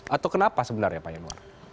atau kenapa sebenarnya pak yanuar